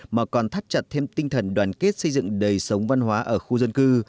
mà còn thắt chặt thêm tinh thần đoàn kết xây dựng đời sống văn hóa ở khu dân cư